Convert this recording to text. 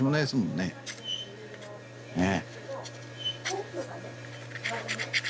ねえ。